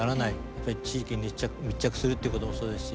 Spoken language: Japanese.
やっぱり地域に密着するっていうこともそうですし。